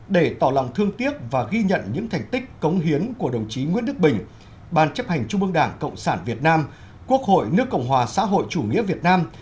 để tỏ lòng thương tiếc và ghi nhận những thành tích cống hiến của đồng chí nguyễn đức bình ban chấp hành trung ương đảng cộng sản việt nam quốc hội nước cộng hòa xã hội chủ nghĩa việt nam